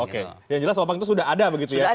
oke yang jelas wabah itu sudah ada begitu ya